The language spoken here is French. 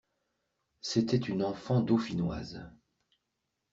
C'était une enfant dauphinoise.